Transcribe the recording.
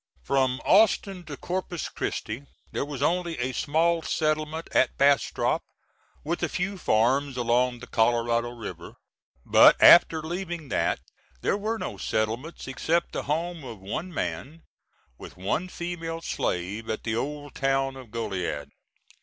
From Austin to Corpus Christi there was only a small settlement at Bastrop, with a few farms along the Colorado River; but after leaving that, there were no settlements except the home of one man, with one female slave, at the old town of Goliad.